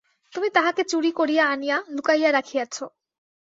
তুমি তাহাকে চুরি করিয়া আনিয়া লুকাইয়া রাখিয়াছ।